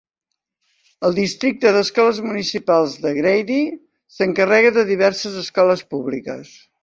El districte d'escoles municipals de Grady s'encarrega de diverses escoles públiques.